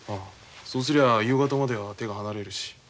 そうすりゃ夕方までは手が離れるし。